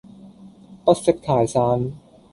不識泰山